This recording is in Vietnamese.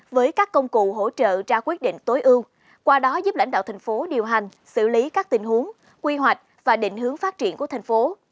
với các công cụ hỗ trợ ra quyết định tối ưu qua đó giúp lãnh đạo thành phố điều hành xử lý các tình huống quy hoạch và định hướng phát triển của thành phố